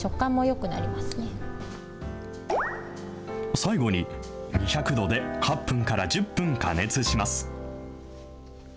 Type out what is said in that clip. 最後に２００度で８分から１０分加熱します。